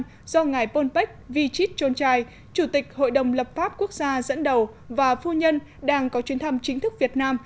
do ngài polpech vichit chonchai chủ tịch hội đồng lập pháp quốc gia dẫn đầu và phu nhân đang có chuyến thăm chính thức việt nam